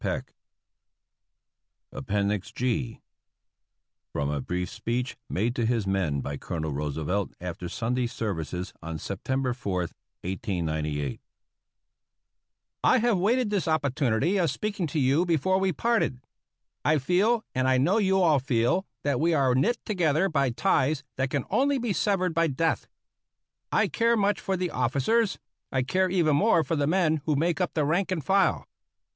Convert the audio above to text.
3^5 APPENDIX G [From a brief speech made to his men by Colonel Roose velt after Sunday services on September 4, 1898.] I have waited this opportunity of speaking to you before we parted. I feel, and I know you all feel, that we are knit together by ties that can only be severed by death. I care much for the officers; I care even more for the men who make up the rank and file.